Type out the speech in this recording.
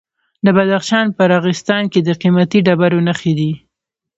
د بدخشان په راغستان کې د قیمتي ډبرو نښې دي.